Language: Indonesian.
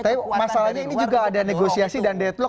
tapi masalahnya ini juga ada negosiasi dan deadlock